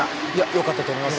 良かったと思います。